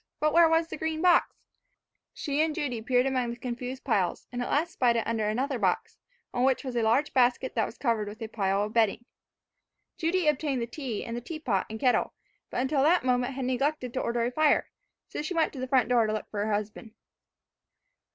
But where was the green box? She and Judy peered among the confused piles, and at last spied it under another box, on which was a large basket that was covered with a pile of bedding. Judy obtained the tea and tea pot and kettle, but until that moment had neglected to order a fire; so she went to the front door to look for her husband.